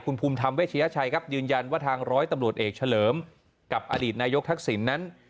คุณภูมิธรรมเวชยชัยครับยืนยันว่าทางร้อยตำรวจเอกเฉลิมกับอดีตนายกทักษิณนั้น